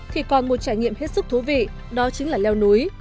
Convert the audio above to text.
thì còn một trải nghiệm hết sức thú vị đó chính là leo núi